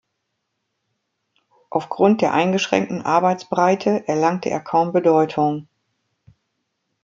Aufgrund der eingeschränkten Arbeitsbreite erlangte er kaum Bedeutung.